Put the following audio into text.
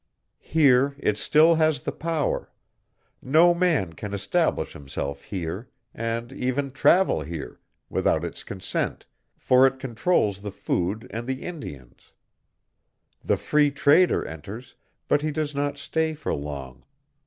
Here it has still the power; no man can establish himself here, can even travel here, without its consent, for it controls the food and the Indians. The Free Trader enters, but he does not stay for long.